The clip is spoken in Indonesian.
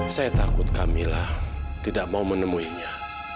saya takut kamilah tidak mau menemuinya